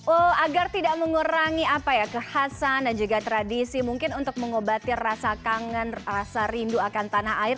oh agar tidak mengurangi apa ya kekhasan dan juga tradisi mungkin untuk mengobati rasa kangen rasa rindu akan tanah air